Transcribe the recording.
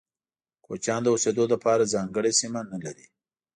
کوچيان د اوسيدو لپاره ځانګړي سیمه نلري.